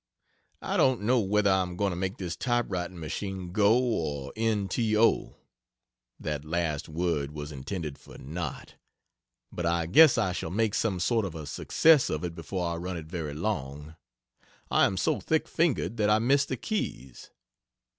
I don't know whether I am going to make this typewriting machine go or nto: that last word was intended for n not; but I guess I shall make some sort of a succss of it before I run it very long. I am so thick fingered that I miss the keys.